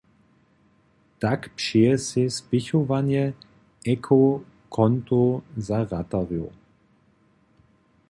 Tak přeje sej spěchowanje ekokontow za ratarjow.